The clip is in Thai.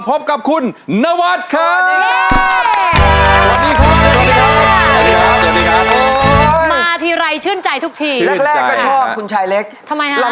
เพราะเจอหน้าเธอบ่อยมาก